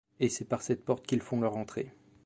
Et c'est par cette porte qu'ils font leur entrée.